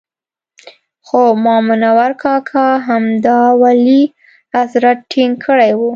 خو مامنور کاکا همدا ولي حضرت ټینګ کړی وو.